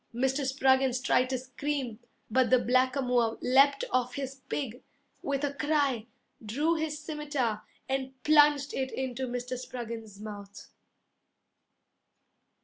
Mr. Spruggins tried to scream, But the blackamoor Leapt off his pig With a cry, Drew his scimitar, And plunged it into Mr. Spruggins's mouth.